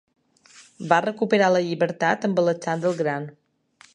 Va recuperar la llibertat amb Alexandre el Gran.